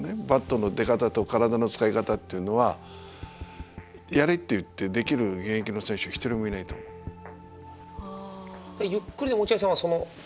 バットの出方と体の使い方っていうのはやれって言ってできる現役の選手は一人もいないと思う。